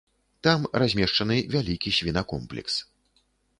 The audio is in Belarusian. Там размешчаны вялікі свінакомплекс.